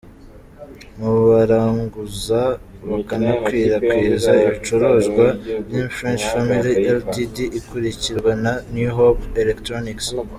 Mu baranguza bakanakwirakwiza ibicuruzwa, Lime Fresh Family Ltd, ikurikirwa na New Hope Electronics.